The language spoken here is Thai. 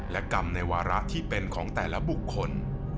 และกรรมในวาระที่เป็นของแต่ละบุคคล